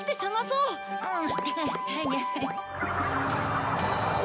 うん？